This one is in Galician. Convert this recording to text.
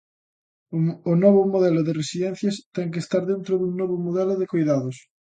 O novo modelo de residencias ten que estar dentro dun novo modelo de coidados.